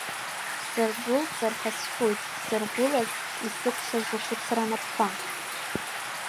Сыргәылҵыр ҳәа сшәоит, сыргәылаз, исыкәшаз ухәыцра анапқәа.